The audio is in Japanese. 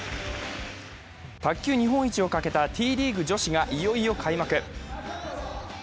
卓球日本一をかけたＴリーグ女子がいよいよ開幕。